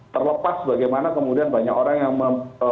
terlepas bagaimana kemudian banyak orang yang